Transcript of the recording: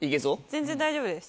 全然大丈夫です。